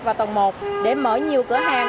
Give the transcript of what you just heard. và tầng một để mở nhiều cửa hàng